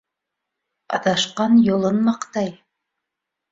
Аҙашҡан юлын маҡтай.